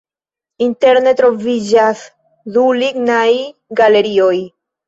Interne troviĝas du lignaj galerioj.